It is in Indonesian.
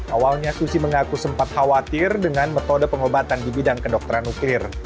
awalnya susi mengaku sempat khawatir dengan metode pengobatan di bidang kedokteran nuklir